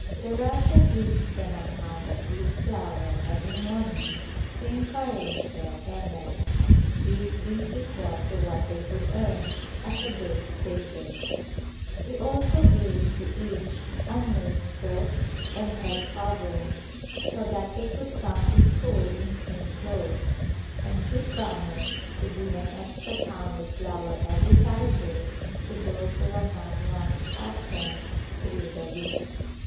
The Rajah gives them a pound of wheat flour every morning to encourage their attendance, this being equal to what they would earn as a day's wages. He also gave to each a new skirt and head covering, so that they could Call to RajpiUana come to school in clean clothes, and he promised to give an extra pound of flour every Saturday to those who are not once absent through the week.